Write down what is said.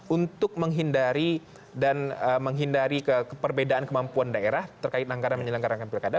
untuk menghindari dan menghindari keperbedaan kemampuan daerah terkait anggaran menyelenggarakan pilkada